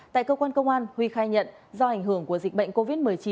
tại cơ quan công an huy khai nhận do ảnh hưởng của dịch bệnh covid một mươi chín